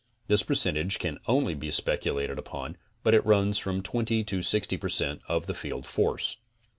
This percentage can only be speculated upon, but it runs from 20 td 60 per cent of the field force.